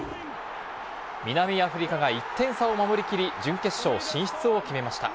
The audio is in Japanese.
南アフリカが１点差を守り切り、準決勝進出を決めました。